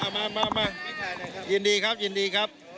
มายินดีครับยินดีครับ